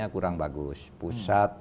kurang bagus pusat